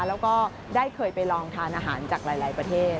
แล้วก็ได้เคยไปลองทานอาหารจากหลายประเทศ